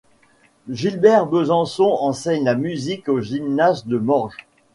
Gilbert Bezençon enseigne la musique au gymnase de Morges.